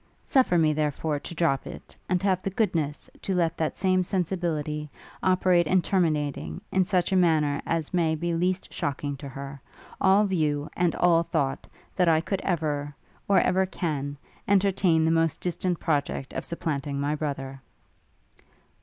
Suffer me, therefore, to drop it; and have the goodness to let that same sensibility operate in terminating, in such a manner as may be least shocking to her, all view, and all thought, that I ever could, or ever can, entertain the most distant project of supplanting my brother.'